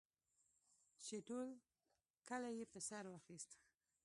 چې ټول کلی یې په سر واخیست.